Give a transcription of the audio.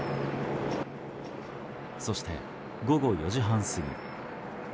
そして、午後４時半過ぎ。